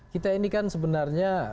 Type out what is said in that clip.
kita ini kan sebenarnya